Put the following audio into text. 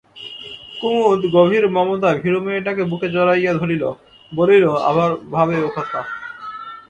কুমুদ গভীর মমতায় ভীরু মেয়েটাকে বুকে জড়াইয়া ধরিল, বলিল, আবার ভাবে ওকথা।